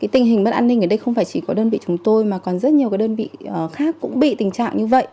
tình hình mất an ninh ở đây không phải chỉ có đơn vị chúng tôi mà còn rất nhiều đơn vị khác cũng bị tình trạng như vậy